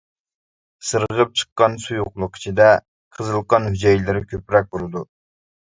سىرغىپ چىققان سۇيۇقلۇق ئىچىدە قىزىل قان ھۈجەيرىلىرى كۆپرەك بولىدۇ.